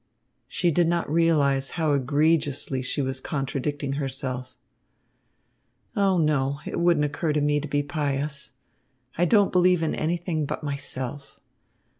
She did not realise how egregiously she was contradicting herself. "Oh, no! It wouldn't occur to me to be pious. I don't believe in anything but myself.